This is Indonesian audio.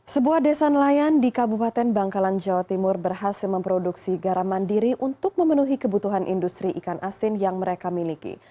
sebuah desa nelayan di kabupaten bangkalan jawa timur berhasil memproduksi garam mandiri untuk memenuhi kebutuhan industri ikan asin yang mereka miliki